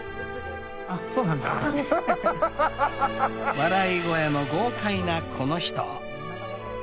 ［笑い声も豪快なこの人］